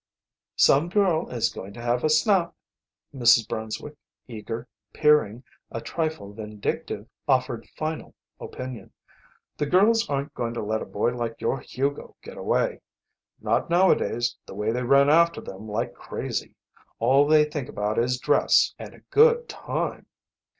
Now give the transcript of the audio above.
"Some girl is going to have a snap." Mrs. Brunswick, eager, peering, a trifle vindictive, offered final opinion. "The girls aren't going to let a boy like your Hugo get away. Not nowadays, the way they run after them like crazy. All they think about is dress and a good time."